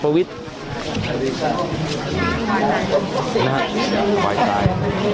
ภาวิทย์